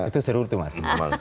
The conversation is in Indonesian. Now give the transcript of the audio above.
itu seru tuh mas